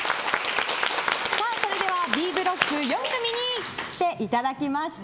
それではＢブロック４組に来ていただきました。